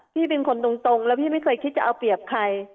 พี่เป็นคนตรงแล้วพี่ไม่เคยคิดจะเอาเปรียบใคร